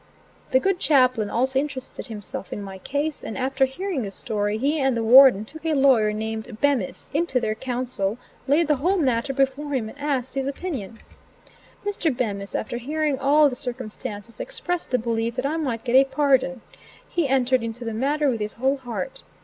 The good chaplain also interested himself in my case, and after hearing the story, he and the Warden took a lawyer named Bemis, into their counsel, laid the whole matter before him and asked his opinion. Mr. Bemis, after hearing all the circumstances, expressed the belief that I might get a pardon. He entered into the matter with his whole heart.